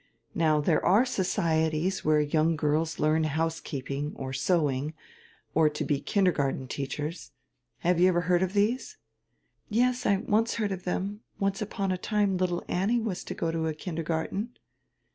Now there are societies where young girls learn housekeeping, or sewing, or to he kindergarten teachers. Have you ever heard of these!" "Yes, I once heard of them. Once upon a time little Annie was to go to a kindergarten."